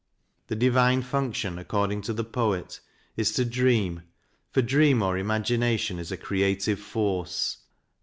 The divine function, according to the poet, is to dream, for dream or imagination is a creative force.